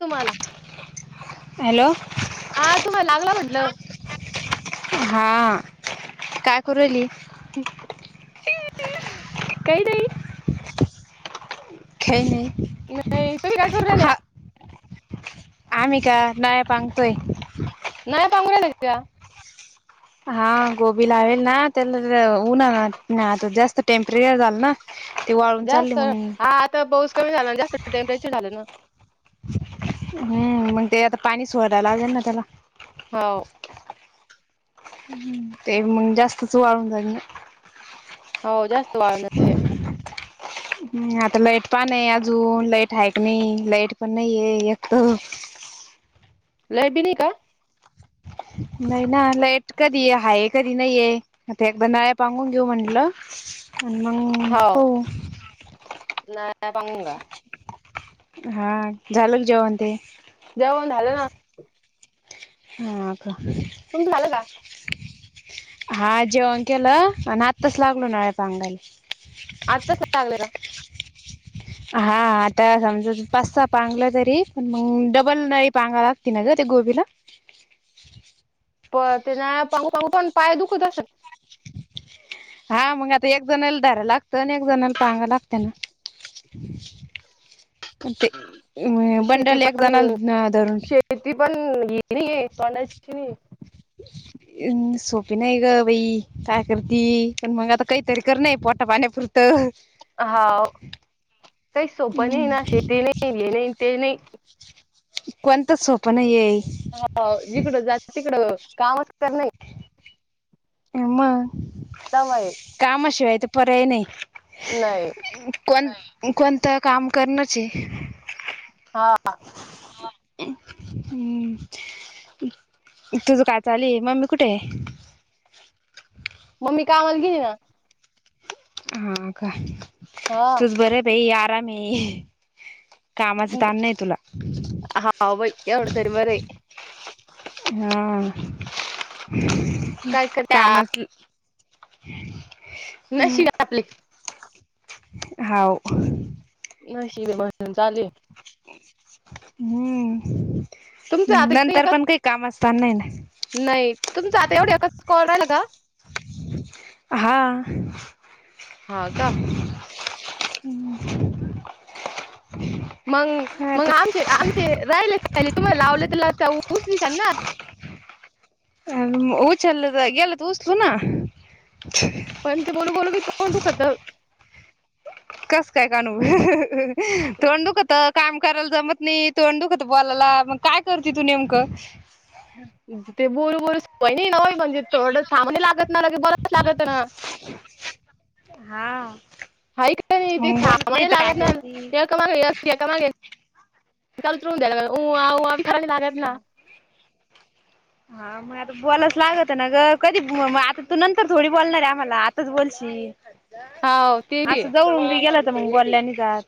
तुम्हाला हॅलो हा तुम्हाला लागला म्हंटलं हा काय करूली काय नाहीई खे नाही नाही तुम्ही काय करू राल्या हा आम्ही का नळ्यापां प नाही तगरा दे हा गोबी लावेल ना त्याला उऊनता जास्त टेम्परेचर झालं ना ते वाळून चालले जास्त मग हा आता पाऊस कमी झाला ना जास्त टेम्परेचर झालं ना हम्म मग ते आता पाणी सोडडायला लागेल ना त्याला हो ह् ते मग जास्तच वाळून जाई हो जास्त वाळ नते हम आता लाईट पण आहे अजून लाईट आहे क नाही लाईट पण नाहीये एक लाब्रिनी का नाही ना ललेट कधी हा एक कधी नाहीये आता एकदा नळ्या पांगून घेऊ म्हटलं आणि मग हो प नाही पांगून का हा झालं क जेवण ते जेवण झालं ना ह का तुम झालं का हा जेवण केलं आणि आताच लागलो नळ्या पांगायला आत्तास लागले का हा आता समजा पाचता पांगलं तरी पण मग डबल नाही पांगाला तन ग ते गोबीला प तेनाांग पण पाय दुखत असत हा मग आता एक जणला धार लागतं आणि एक जणला पगा लागत ना ते बंडल एक जणा धरून श ती पण येणी आहे कोणाचीची नाही सोपी नाहीय का वई काय करती पण मग आता काहीतरी कर नाही पोटा पाण्यापुरतं हा काही सोपं नाही हम्म ना शेती नाही लि नाही ते नाही कोणतं सोपन येई ह जिकडं जात तिकडं कामच कर नाही हम समुळेय कामाशिवाय ते पर्याय नाही नाही कोण कोणतं काम करण्याची हा हम् तुझ का चाली आहे मम्मी कुठे आहे मम्मी कामाल गेली ना हा का हा. तुस बर पई आरा आहे कामाच ताण नाही तुला हा भाई एवढं तरी बरं आहे हा काय करत्या कामच नशी आपले हाव न शिबे म्हणून चालेल हम्म तुमचं आता इतकं नंतर एकाच पण काही काम असत नाही ना नाही तुमचं आता एवढं एका कॉल राहिला का हा ह का ह मग मग आमचे आमचे राहिले खाले तुम्हाला लावले तरला च उसशल ना उऊचलत गलत उऊचलो ना पण ते बोलून बोलून भी तोंड दुखत. कस काय कानू तोंड दुखत, काम करायला जमत नाही. तोंड दुखत तू बोलायला मग काय करते तू नेमकं ते बोलू बोलुस नाही ना सवय म्हणजे थोडं थांबणी लागत ना की बोलावच लागत ना. हा हा का नाही तेे मग बोलत नाही थांबाणे तर काय लागत ना करते गे मागेून द्याय खरा लात ना हा म आता बोलावच लागत ना ग कधी आता तू नंतर थोडी बोलणार आहे आम्हाला आताच बोलशील हाव ते बी असं आहे. जवलून मी गेला तर मग बोलल्या नाही जात.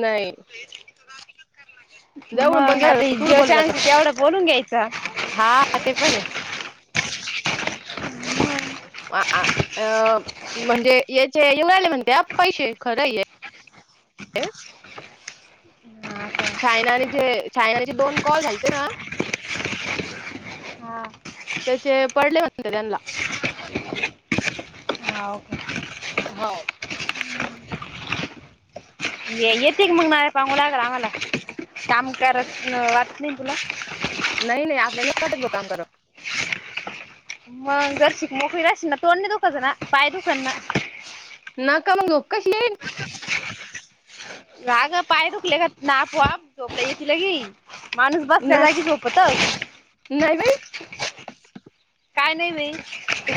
नाही. मग जवळून पण आता गेल्यावर थोडं जेव्हा बोललं चांगल जातं. तेवढं बोलून घ्यायचं. हा ते पण आहे. अ म्हणजे याचे येवून राहीले म्हणते पैसे खरं आहे हे. चायना आणि जे चायनाचे दोन कॉल घालते ना. हा त्याचे पडले होते त्यांनला. हाव का हो. येते की मग ना सांगून राहील आम्हाला काम करत वाटत नाही तुला. नाही नाही आपल्याला नाही वाटत बा काम करत मग जर अशी मोकळी राहशील ना तोंड नाही दुखात ना पाय दुखातना. नका मग कशी आहे. का गं पाय दुखले का नाक, वाफ, गोळी घेतली की नाही. माणूस बसल्या नाही जागी झोपत. नाही. बाई, काय नाही नाही.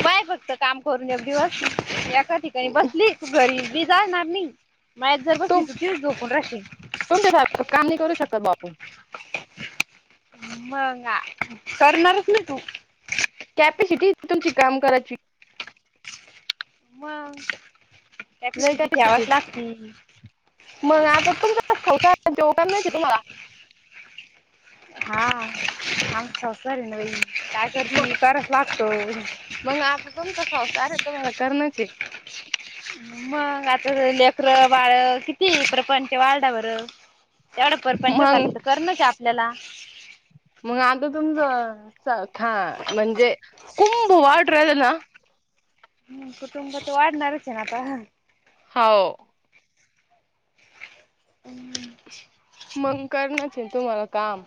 बाहेर फक्त काम करून एक दिवस एका ठिकाणी बस. घरी मी जाणार नाही. माझ्यासोबत इथंच तू तीच झोपून राहशील. तर काम नाही करू शकत का आपण मग का करणारच ना तू. कॅपसिटी तुमची काम करायची. मग लय कॅपॅसिटी कपॅसिटी ठेवावीच लागती हाय. मग आता तुमच तर होणार नाहीय काय तुम्हाला. हा हा संसार आहे बाई काय करतेस करावंच लागतं. मग आता तुमचा संसार तुम्ही मग करणंच आहे. मग आता लेकरं, बाळ किती प्रपंच वाढला बरं. तेवढं प्रपंचासाठी मग तर करणच आहे आपल्याला, मग आता तुमचं सखा म्हणजे कुटुंब वाढून राहिल ना. हम् कुटुंब तर वाढणारच आहे ना आता, हो. हम् मंग करणच आहे तुम्हाला तर काम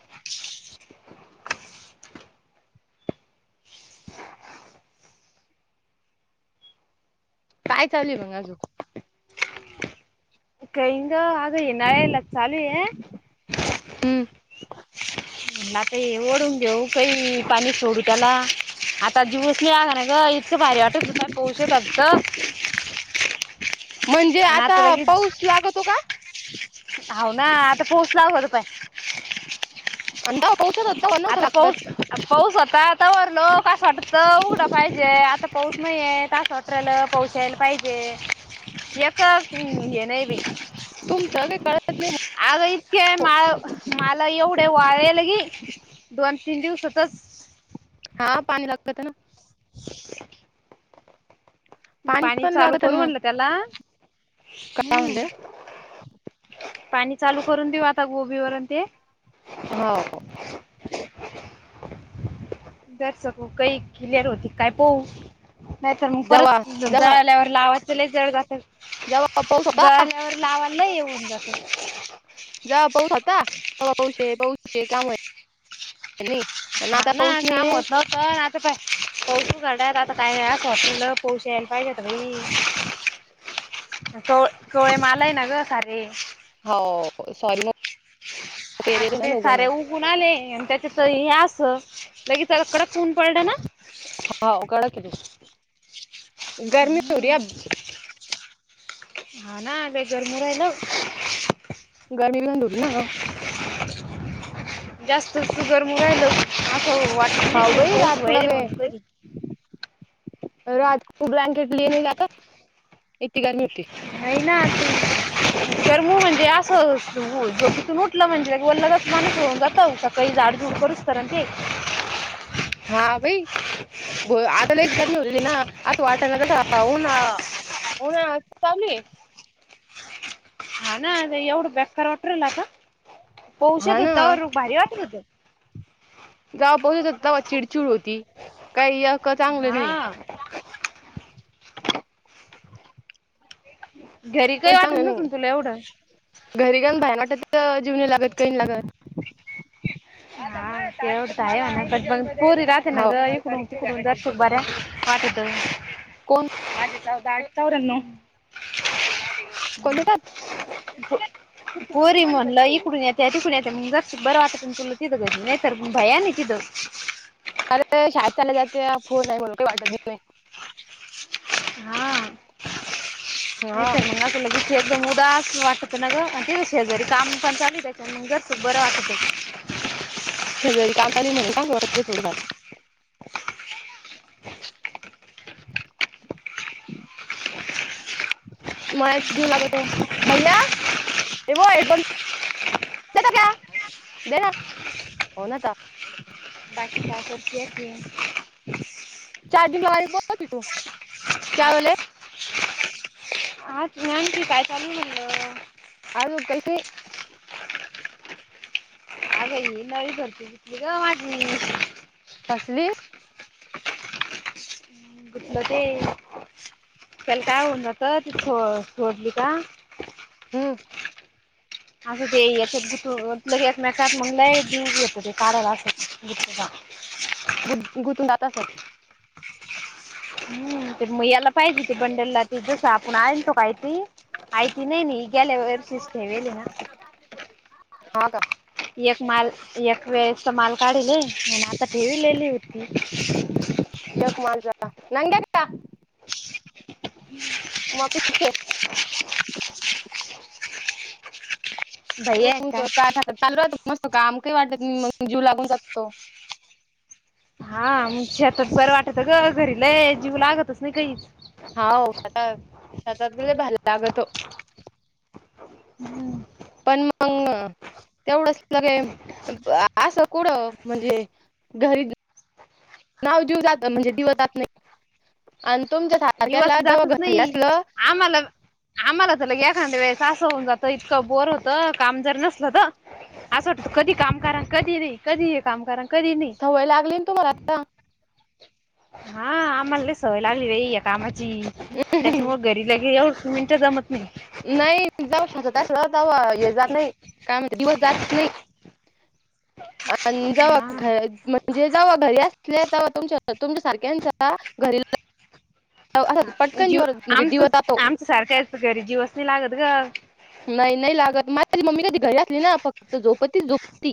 काय चालय मग आजून काय ग आज नळाला चालू आहे. हम्म मग आता हे ओढून देऊ काही पाणी सोडू त्याला, आता दिवस लई आग ना ग इतकं भारी वाटत होता पाऊस येताण गं. म्हणजे आता पाऊस लागतो का. हो ना आता पाऊस लागू होतं. आता आता पाऊस पाऊस होता, तोवर लोक असं वाटत होतं. उघडा पाहिजे आता पाऊस नाहीये तर आस वाटत. पाहून राहिला पाऊस यायला पाहिजे. एक हे नाही बाई. तुमचं काय कळत. नाही अगं इतके हो म मला एवढे वाढेल की दोन तिनजिव सतच हा पाणी लागते ना, [unintelligible] पाणी पण चालू लागत करू ना मग म्हणलं त्याला काय हम्. म्हणले पाणी चालू करून देऊ आता गोबीवरून ते हो दर सकू काही क्लिअर होती काय पहू नाहीतर मग जवा परत जवा जळाल्यावर जवा पाऊस होता जळाल्यावर लावायला येऊन जातं जा पाऊस आता पाऊश पाऊसे काम आणि हा आता ना पाऊस काम नाहीये होत नव्हत आता पटू कडयत आता काय नाही खॉट होो शेल पाय घतई च चवळे मालाय ना ग सारे हो सॉरी न आता ते सारे उघून आले आणि त्याच्याच हे अस लगीच कडक ऊन पडलं ना. हा कडक गर्मी हो र अ हा नाले गरम राहिला. गाडी दुरी ना जास्त सुुगर मुगायला असं वाट पास व्हारे म्हणून तरी राजू ब्लँकेट लिणे जात येते का मती है ना तू तर म म्हणजे असं जो किून उटलं म्हणजे वललाच माणूस होऊन जाता कैला अडज द कररस्तारंत ते हा बाई ब आता लच ग नवलेली ना असं वाटा ना तस होन हो ना चालू आहे. हा ना एवढा बेकार वाटू राहिला आता हा पोषत ना होतग भारी वाटत होत. जाव ब चिडचिड होती काही का चांगलं नाही. ह घरी काही वाटत चांगलं नस नाहीये तुला एवढं घरी जाऊन बाहेर वाटत जीवने लागत कही लागत हा तेतय नाट ब पूरी रात्री ना हो ग दर्शक बर्या वाठत कोण माझी चौदा आठ आहे चोरणाव कोण येतात गोरी म्हणलं इकडून येत तिकडून येते बरं वाटत तुला किथं क नाही सर प भया ना किथं अरे शाेत चालला जाते फोन आहे मला काही वाटत नाही. हा नाही म हा तर आप लग शेज मु उदास वाटत ना ग आणि ठी शेजारी काम पण चालू त्याच्या ग बरं वाटत शेजारी काम लीणून का लटच थोडफार कशाचा तरी आवाज येत आहे मला जीव लागततो भैया एव हेडप ता दे ना हो नाता बाकी का तकती चार्जिंग लाारी बोल होती तू क्या बले आ नन काय म्हणलं अज कसे नवी भरती घेतली ग माझी फसली गुठला ते बलका होन तर ते ो ोडली का हम्म असं ते याच्यात गुटू ल एकमेकात म्हणलंयी येतो ते काराला अस गुटूचा गु गुंतून जात असात हम् ते म याला पाहिजे ते बंडलला त जस आपण आल तो काय त आयती नाहीन ह गेला वर्षिस्े वली ना हा का एक माल एक वेळेचा माल काढल म्ह आता ठेवीलेली होती यक मालझ नंग मप इछ आवाज येते हो भैया आहे का चालू मस्त का आम काही वाटत मग जीव लागून जात तो हा छतात बरं वाटतं ग घरीलाय जीव लागतच नाही काही हा शतात शतात गेले भयला लागत हो हम्म पण मग तेवढं क असं कुडं म्हणजे घरी नाव दिऊ जात म्हणजे दिवतात नाही आणि तुमच्या सारख्याला जवळ घरल्या असलं आमला आम्हाला तर लगे एखांद्या वेळेस असं होऊन जात इतकं बोर होतं काम जर नसल तर असं वाटत कधी काम करा कधी नाही कधी हे काम करा कधी नाही सवय लागली ना तुम्हाला आता हा आमला सवय लागली रई या कामाची त्याच्यामुळ घरी लगे येऊ मिंट जमत नाही नाही जाव शत त्या जा हे जात नाही काय म्ह दिवस जात नाही अ जाऊ हा घर म्हणजे जव्हा घरी अस ते तमच्या सारख्या घरी असा पटकन जीव जीवर म्हणजे आमचं दिवस जातो आमच सारखा हल्प कररी जीवसनी लागत ग नाही नाही लागत माझी मम्मी कधी घरी असली ना फक्त झोपतीच झोप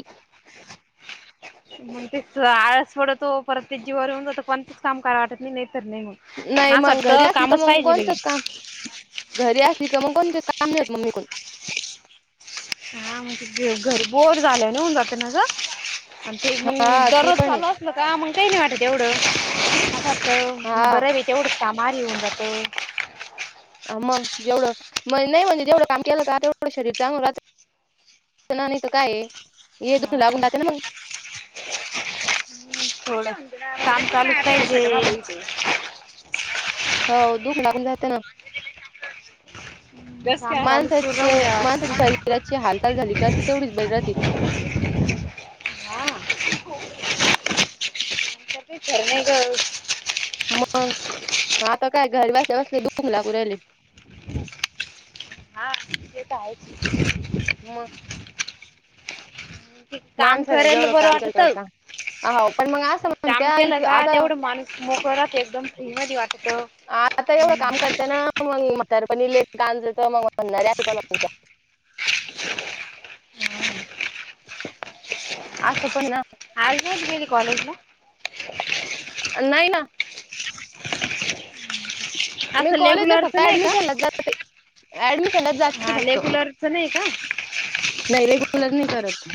मग तेच आळस पडतो परत ते जीवर येऊन ज कोणतच काम कराय वाटत नाही नाही तरर नाहीग नाही मग घरी असली तर मग कोणचंच काम घरी असली का मग कोणतेच काम होत मग निगुन हां म्हणज घ घरबोर झालं नाऊन जात नाग आणि ते मग हा ते दररोज पण आहे चालू अस ना का मग काही नाही वाटत तेवढं असआसत हा बरे बच्या उडसामार येऊन जातो मग जेवढं म नाही म्हणजे जेवढं काम केलं का तेवढं शरीर चांगलं राहतं नाही तर काय हे दुख हा लागून राहे ना मग थोडं काछम चालू का हो दुख लागून जातं ना काम चालूच राहून द्यावं माणसाच्या वाटतं. माणसाच्या शरीराची हालचाल झाली का तेवढीच बरी राहते हा चार्मग मग आता काय घरी बसल्या बस डुंग ला कू राले हा तेेतय म. काम माणस आहे ना करायला जेवढं बरं काम केलं वाटतं. तेवढं. हो पण मग असं म्हण काम त्या केलं इथ का आता. तेवढं माणूस मोकळं राहतं एकदम फ्री मध्ये वाटत आता एवढं काम करत ना मग म्हात्यार पण इले गांजत मग म्हणणार्या अ पण म्हणत्या. असं पण ना. आजली कॉलेज ला नाही ना मी असं कॉलेजला रेग्युलरच फक्त नाही का ऍडमिशनला जाते ऍडमिशनत जाातते हा फक्तो रेग्युलरच नाही का नाही रेगुलर नाही करत